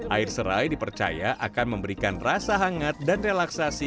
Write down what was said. air serai dipercaya akan memberikan rasa hangat dan relaksasi